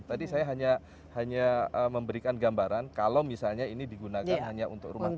tadi saya hanya memberikan gambaran kalau misalnya ini digunakan hanya untuk rumah tangga